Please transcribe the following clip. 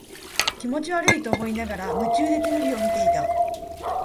気持ち悪いと思いながら、夢中でテレビを見ていた。